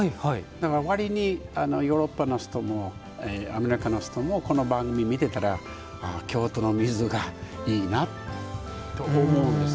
割にヨーロッパの人もアメリカの人もこの番組を見てたらああ、京都の水がいいなと思うんです。